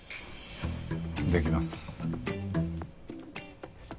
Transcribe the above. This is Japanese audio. できます。